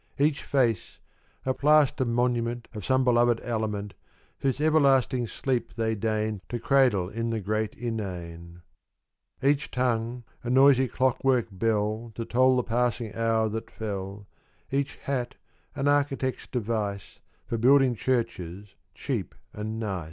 Each face, a plaster monument Of some beloved aliment Whose everlasting sleep they deign To cradle in the Great Inane ; Each tongue, a noisy clockwork bell To toll the passing hour that fell, Each hat, an architect's device For building churches, cheap and nice.